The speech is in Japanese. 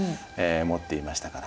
持っていましたから。